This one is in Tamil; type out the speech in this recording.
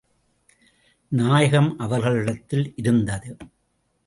நாயகம் அவர்களிடத்தில் இருந்தது.